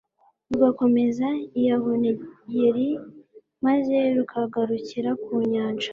rugakomeza i yabuneyeli maze rukagarukira ku nyanja